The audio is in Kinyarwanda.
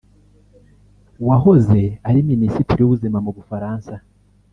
wahoze ari Minisitiri w’Ubuzima mu Bufaransa